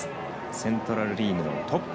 セントラル・リーグのトップ。